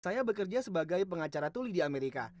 saya bekerja sebagai pengacara tuli di amerika